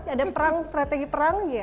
ada perang strategi perang